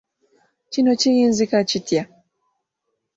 Kino kiyinzika kitya?